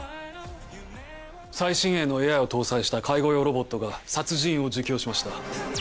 最新鋭のＡＩを搭載した介護用ロボットが、殺人を自供しました。